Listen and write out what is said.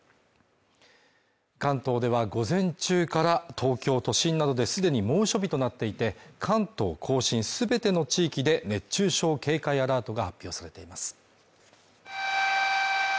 関東では午前中から東京都心などで既に猛暑日となっていて、関東甲信全ての地域で熱中症警戒アラートが発表されています。